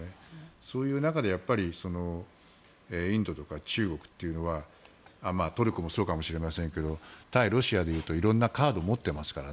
そういう中でインドとか中国というのはトルコもそうかもしれませんが対ロシアでいうと色々なカードを持っていますから。